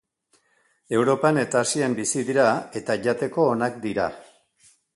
Europan eta Asian bizi dira eta jateko onak dira.